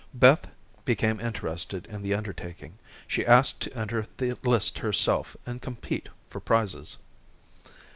Beth became interested in the undertaking. She asked to enter the lists herself and compete for prizes.